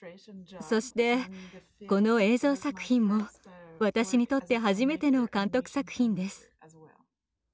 そしてこの映像作品も私にとって初めての監督作品です。